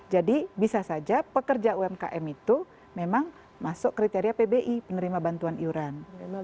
jadi bisa saja pekerja umkm itu memang masuk kriteria pbi penerima bantuan iuran